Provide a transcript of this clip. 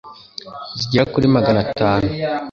zigera kuri magana tanu,